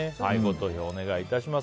投票お願いします。